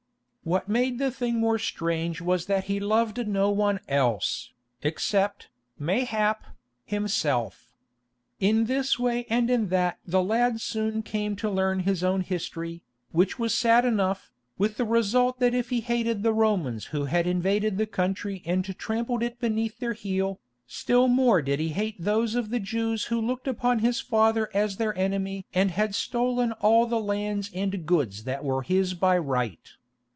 What made the thing more strange was that he loved no one else, except, mayhap, himself. In this way and in that the lad soon came to learn his own history, which was sad enough, with the result that if he hated the Romans who had invaded the country and trampled it beneath their heel, still more did he hate those of the Jews who looked upon his father as their enemy and had stolen all the lands and goods that were his by right.